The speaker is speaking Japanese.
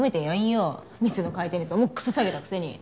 店の回転率おもっくそ下げたくせに。